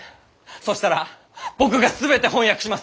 そしたら僕が全て翻訳します！